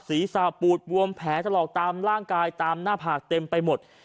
ศีรษะปูดบวมแผลถลอกตามร่างกายตามหน้าผากเต็มไปหมด